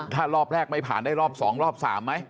ถ้ารอบแรกไม่ผ่านได้รอบ๒รอบ๓ไหม